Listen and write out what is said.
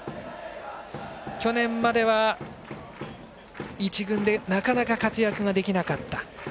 去年までは１軍でなかなか活躍ができなかった。